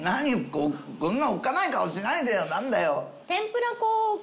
そんなおっかない顔しないでよ何だよ？